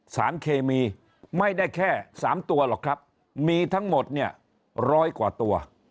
สารเคมีไม่ได้แค่๓ตัวหรอกครับมีทั้งหมดเนี่ยร้อยกว่าตัว